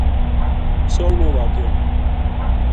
سوہلمو واقعو